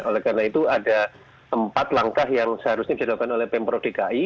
oleh karena itu ada empat langkah yang seharusnya dilakukan oleh pemprov dki